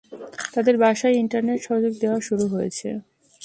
তাঁদের বাসায় ইন্টারনেট সংযোগ দেওয়া শুরু হয়েছে।